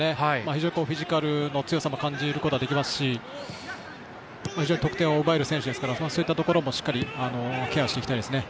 非常にフィジカルの強さを感じますし非常に得点を奪える選手ですからそういった点もケアしていきたいですね。